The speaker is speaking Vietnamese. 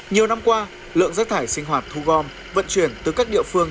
nhiều năm qua lượng rác thải sinh hoạt thu gom vận chuyển từ các địa phương